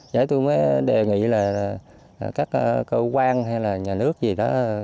chứ tôi mới đề nghị là các cơ quan hay là nhà nước gì đó